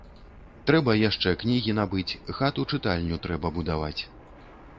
Трэба яшчэ кнігі набыць, хату-чытальню трэба будаваць.